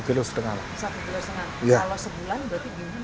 kalau sebulan berarti gimana